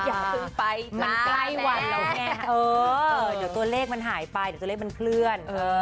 ตั้งแก่วันแล้วแงตัวเลขมันหายไปตัวเลขมันเคลื่อน